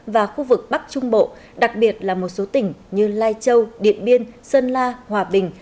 và khu vực bắc trung bộ đặc biệt là một số tỉnh như lai châu điện biên sơn la hòa bình